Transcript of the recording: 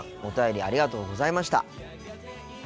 お便りありがとうございました。